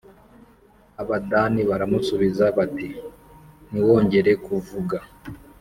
Abadani baramusubiza bati Ntiwongere kuvuga